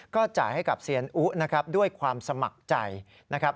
ก็จ่ายให้กับเซียนอุนะครับด้วยความสมัครใจนะครับ